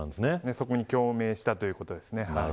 そこに共鳴したということですね。